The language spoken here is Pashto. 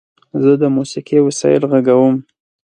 زه د موسیقۍ وسایل غږوم.